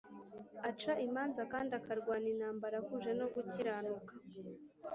Aca imanza kandi akarwana intambara ahuje no gukiranuka